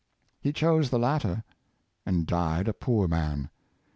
He chose the latter, and died a poor man.